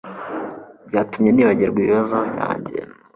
Byatumye nibagirwa ibibazo byanjye.